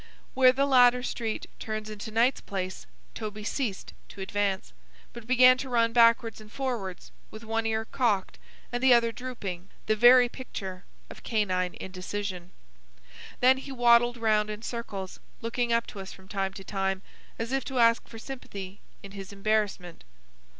Where the latter street turns into Knight's Place, Toby ceased to advance, but began to run backwards and forwards with one ear cocked and the other drooping, the very picture of canine indecision. Then he waddled round in circles, looking up to us from time to time, as if to ask for sympathy in his embarrassment.